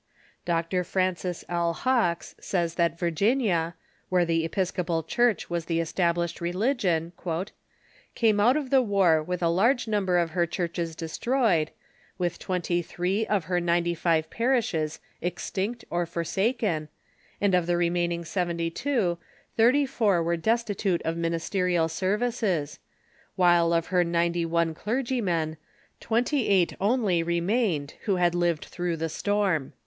Dr. Francis L. Hawks says that Virginia, where the Episcopal Church was the established religion, " came out of the war with a large number of her churches destroyed, with twenty three of her ninety five parishes extinct or forsaken, and of the remaining seventy two, thirty four were destitute of ministerial services ; while of her ninety one clergymen, twenty eight only remained who had lived through the storm."